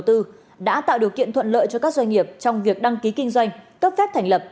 tạo điều kiện thuận lợi cho các doanh nghiệp trong việc đăng ký kinh doanh cấp phép thành lập